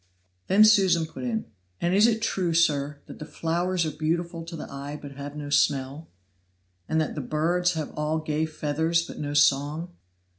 Then Susan put in: "And is it true, sir, that the flowers are beautiful to the eye, but have no smell, and that the birds have all gay feathers, but no song?"